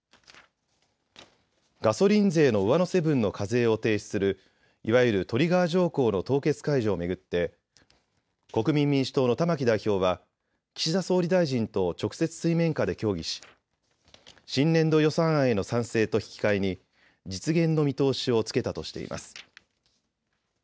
ガソリン税の上乗せ分の課税を停止するいわゆるトリガー条項の凍結解除を巡って国民民主党の玉木代表は岸田総理大臣と直接、水面下で協議し新年度予算案への賛成と引き換えに実現の見通しをつけたとしています。